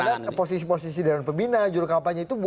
dan menurut anda posisi posisi dari pembina juru kampanye itu